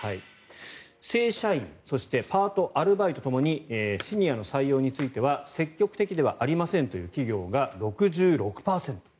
正社員そしてパート・アルバイトともにシニアの採用については積極的ではありませんという企業が６６％。